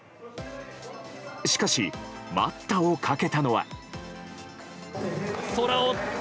しかし、待ったをかけたのは。